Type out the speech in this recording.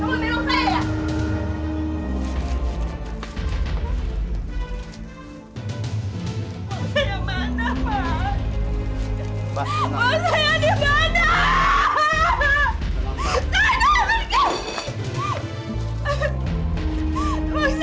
uang saya mana mas kok jadi daun mas kok jadi daun sih mas